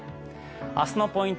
明日のポイント